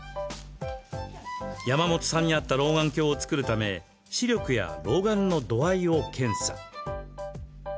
山本さんに合った老眼鏡を作るため視力や老眼の度合いを検査。